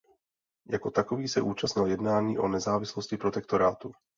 Jako takový se účastnil jednání o nezávislosti protektorátu.